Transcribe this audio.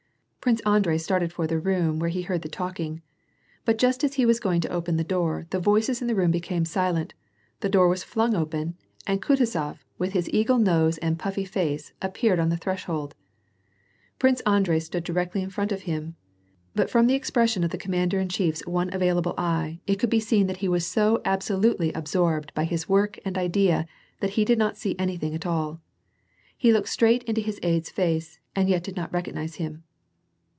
Prince Andrei started for the room where he heard the talking. But just as he was going to open the door, the voices in the room became silent, the door was flung open, and Kutuzof, with his eagle nose and puffy face, appeared on the threshold. Prince Andrei stood directly in front of him ; but from the expression of the commander in chiePs one available eye it could be seen that he was so absolutely absorbed by his work and idea that he did not see anything at all. He looked straight into his aide's face and yet did not recognize him.